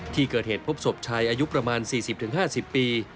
ที่เกิดเหตุพบศพชายอายุประมาณ๔๐๕๐ปี